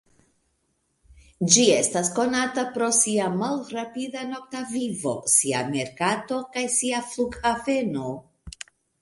Ĝi estas konata pro sia malrapida nokta vivo, sia merkato kaj sia flughaveno.